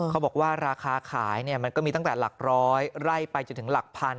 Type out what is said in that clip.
เขาบอกว่าราคาขายมันก็มีตั้งแต่หลักร้อยไร่ไปจนถึงหลักพัน